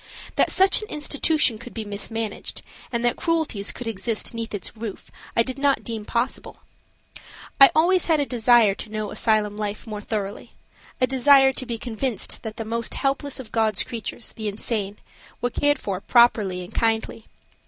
That such an institution could be mismanaged, and that cruelties could exist 'neath its roof, I did not deem possible. I always had a desire to know asylum life more thoroughly–a desire to be convinced that the most helpless of God's creatures, the insane, were cared for kindly and properly.